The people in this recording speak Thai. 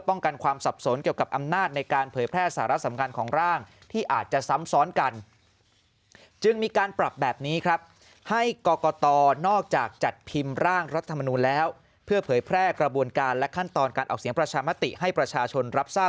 ป้องกันความสับสนเกี่ยวกับอำนาจในการเผยแพร่สารสำคัญของร่างที่อาจจะ